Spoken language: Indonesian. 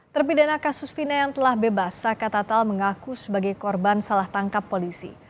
terpidana kasus fina yang telah bebas saka tatal mengaku sebagai korban salah tangkap polisi